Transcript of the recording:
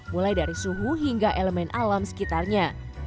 mulai dari suhu hingga elemen alam sekitarnya